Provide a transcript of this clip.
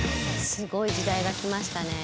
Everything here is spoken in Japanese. すごい時代が来ましたね。